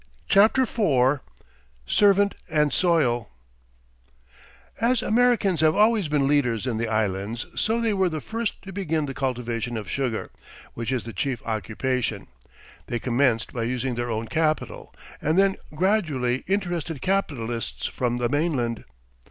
CHAPTER IV SERVANT AND SOIL As Americans have always been leaders in the Islands, so they were the first to begin the cultivation of sugar, which is the chief occupation. They commenced by using their own capital, and then gradually interested capitalists from the mainland.